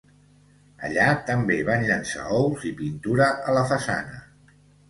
Allà també van llençar ous i pintura a la façana.